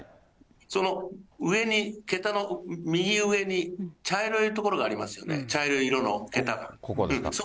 その上に、桁の右上に茶色い所がありますよね、茶色い色の桁が。